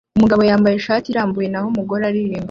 Umugabo yambaye ishati irambuye naho umugore aririmba